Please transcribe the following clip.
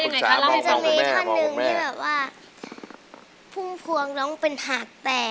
มันจะมีท่านหนึ่งที่แบบว่าพุ่มพวงร้องเป็นหาดแตก